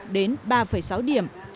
hai sáu đến ba sáu điểm